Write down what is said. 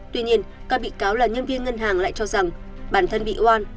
tuy nhiên các bị cáo là nhân viên ngân hàng lại cho rằng bản thân bị oan